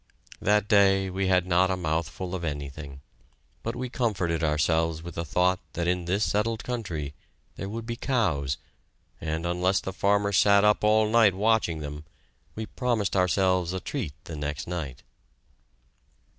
That day we had not a mouthful of anything. But we comforted ourselves with the thought that in this settled country there would be cows, and unless these farmers sat up all night watching them, we promised ourselves a treat the next night.